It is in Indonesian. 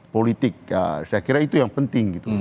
politik saya kira itu yang penting gitu